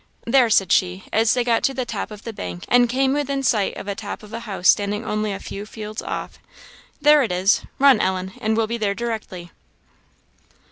There," said she, as they got to the top of the bank, and came within sight of a house standing only a few fields off "there it is! Run, Ellen, and we'll be there directly."